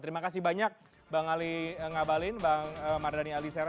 terima kasih banyak bang ali ngabalin bang mardhani alisera